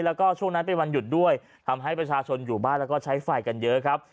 แล้วก็ช่วงนั้นเป็นวันหยุดด้วยทำให้ประชาชนอยู่บ้านแล้วก็ใช้ไฟกันเยอะครับ